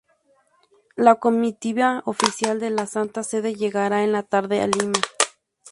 La comitiva oficial de la Santa Sede llegará en la tarde a Lima.